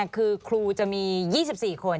คือครูจะมี๒๔คน